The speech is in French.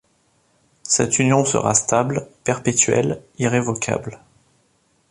Cette union sera stable, perpétuelle, irrévocable.